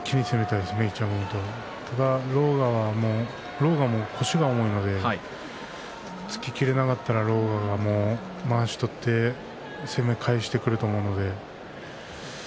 狼雅は腰が重いので突ききれなかったら狼雅がまわしを取って攻め返してくると思うので。